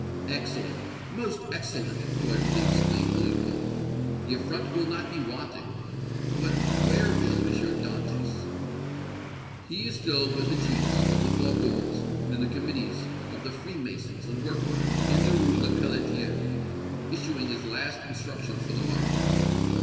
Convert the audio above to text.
"Excellent most excellent!" joyfully exclaimed Louis Blanc. "The affront will not be wanting! But where is M. Dantès?" "He is still with the chiefs of the faubourgs and the committees of the Free masons and workmen, in the Rue Lepelletier, issuing his last instructions for the morrow.